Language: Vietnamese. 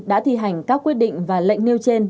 đã thi hành các quyết định và lệnh nêu trên